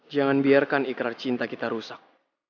jangan biarkan ikrar cinta kita rusak